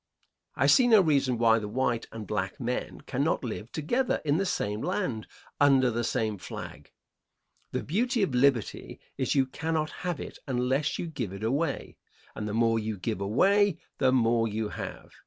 I see no reason why the white and black men cannot live together in the same land, under the same flag. The beauty of liberty is you cannot have it unless you give it away, and the more you give away the more you have.